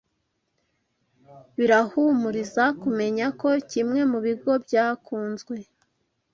birahumuriza kumenya ko kimwe mu bigo byakunzwe